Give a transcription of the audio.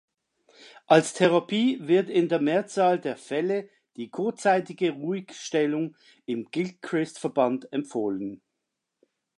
Als Therapie wird in der Mehrzahl der Fälle die kurzzeitige Ruhigstellung im Gilchrist-Verband empfohlen.